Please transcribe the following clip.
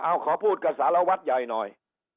เอาขอพูดกับสารวัตรใหญ่หน่อย